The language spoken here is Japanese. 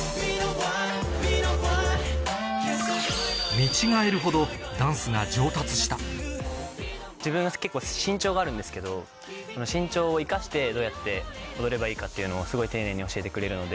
見違えるほどダンスが自分が結構身長があるんですけど身長を生かしてどうやって踊ればいいかっていうのをすごい丁寧に教えてくれるので。